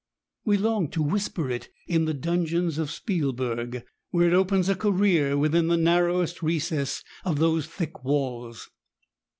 We long to whisper it in the dungeons of Spielberg, where it opens a career within the narrowest recess of those thick walls.